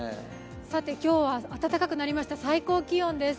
今日は暖かくなりました、最高気温です。